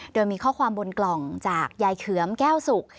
โดยมีข้อความบนกล่องจากยายเขือมแก้วสุก